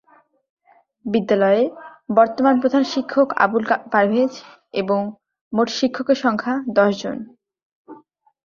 বিদ্যালয়ের বর্তমান প্রধান শিক্ষক আবুল পারভেজ এবং মোট শিক্ষকের সংখ্যা দশ জন।